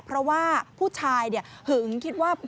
เพราะว่าผู้ชายหึงคิดว่า